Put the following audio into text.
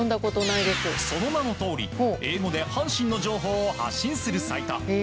その名のとおり、英語で阪神の情報を発信するサイト。